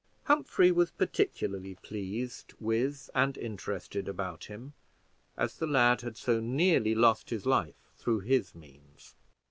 Humphrey was particularly pleased with and interested about him, as the lad had so nearly lost his life through his means.